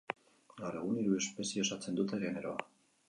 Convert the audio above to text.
Gaur egun hiru espezie osatzen dute generoa.